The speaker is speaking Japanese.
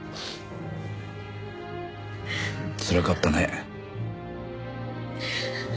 つらかったね。